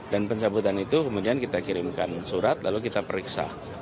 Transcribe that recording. dan pencabutan itu kemudian kita kirimkan surat lalu kita periksa